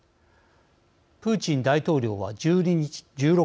プーチン大統領は１６日